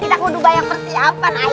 kita kudu banyak pertiapan ayang